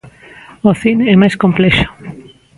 O cine é máis complexo.